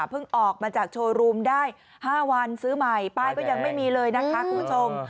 ออกมาจากโชว์รูมได้๕วันซื้อใหม่ป้ายก็ยังไม่มีเลยนะคะคุณผู้ชม